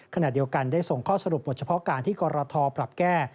ขณะเดียวกันได้ส่งข้อสรุปบทเฉพาะการที่กรทปรับแก้